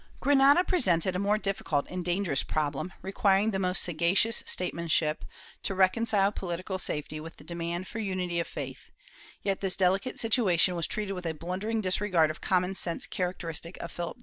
Granada presented a more difficult and dangerous problem, requiring the most sagacious statesmanship to reconcile political safety with the demand for unity of faith, yet this delicate situation was treated with a blundering disregard of common sense charac teristic of Philip II.